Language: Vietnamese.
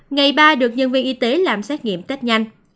ngày ba được nhân viên y tế làm xét nghiệm test nhanh